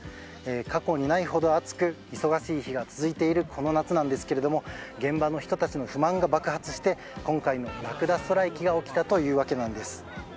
過去にないほど暑く忙しい日が続いているこの夏なんですが現場の人たちの不満が爆発して今回のラクダストライキが起きたというわけなんです。